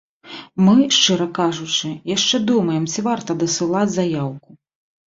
Мы, шчыра кажучы, яшчэ думаем, ці варта дасылаць заяўку.